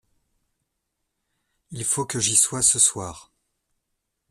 Il faut que j’y sois ce soir.